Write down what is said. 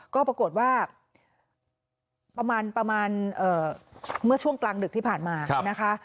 ก็ปรากฏว่าประมาณเมื่อช่วงกลางดึกที่ผ่านมานะคะ